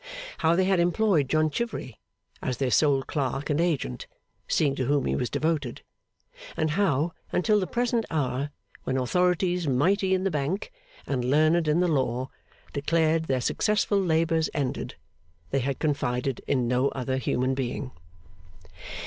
How they had employed John Chivery as their sole clerk and agent, seeing to whom he was devoted. And how, until the present hour, when authorities mighty in the Bank and learned in the law declared their successful labours ended, they had confided in no other human being.